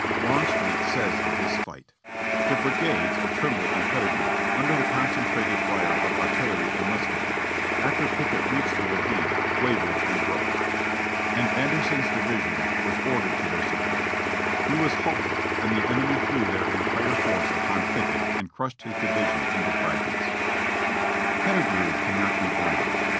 Longstreet says of this fight : "The brigades of Trimble and Pettigrew, under the concen trated fire of artillery and musketry, after Pickett reached the ravine, wavered and broke, and Anderson's division was ordered GETTYSBURG 413 to their support; he was halted, and the enemy threw their en tire force upon Pickett and crushed his division into fragments." Pettigrew cannot be blamed.